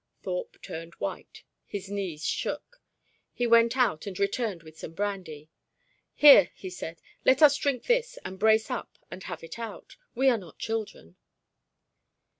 Thorpe turned white; his knees shook. He went out and returned with some brandy. "Here," he said. "Let us drink this and brace up and have it out. We are not children."